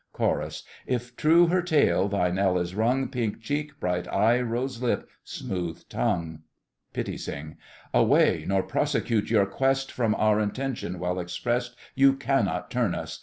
CHORUS. If true her tale, thy knell is rung, Pink cheek, bright eye, rose lip, smooth tongue! PITTI SING. Away, nor prosecute your quest— From our intention, well expressed, You cannot turn us!